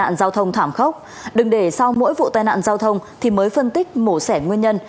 tai nạn giao thông thảm khốc đừng để sau mỗi vụ tai nạn giao thông thì mới phân tích mổ xẻ nguyên nhân